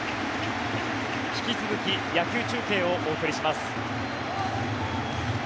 引き続き野球中継をお送りします。